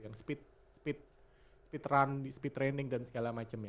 yang speed speed run speed training dan segala macemnya